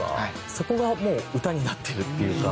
そこがもう歌になってるっていうか。